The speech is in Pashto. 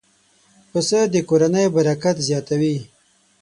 پسه د کورنۍ برکت زیاتوي.